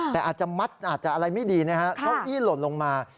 แต่อาจจะมัดอาจจะอะไรไม่ดีนะฮะเก้าอี้หล่นลงมา